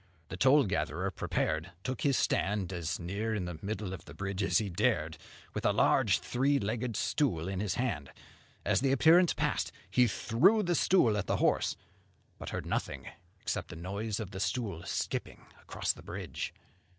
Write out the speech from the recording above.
The toll gatherer, prepared, took his stand as near the middle of the bridge as he dared, with a large three legged stool in his hand. As the appearance passed, he threw the stool at the horse, but heard nothing except the noise of the stool skipping across the bridge.